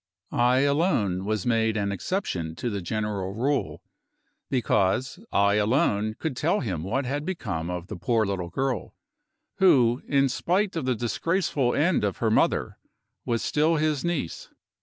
I alone was made an exception to the general rule, because I alone could tell him what had become of the poor little girl, who in spite of the disgraceful end of her mother was still his niece.